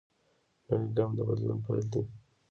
نوی ګام د بدلون پیل دی